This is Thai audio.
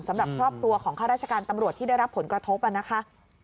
สำหรับครอบครัวของข้าราชการตำรวจที่ได้รับผลกระทบนะคะ